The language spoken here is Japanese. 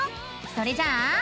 それじゃあ。